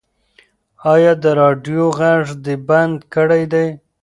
ایا د راډیو غږ دې بند کړی دی؟